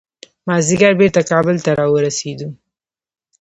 مازدیګر بیرته کابل ته راورسېدو.